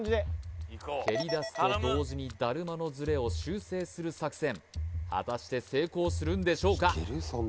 蹴りだすと同時にだるまのズレを修正する作戦果たして成功するんでしょうか？